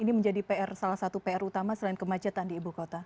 ini menjadi salah satu pr utama selain kemacetan di ibu kota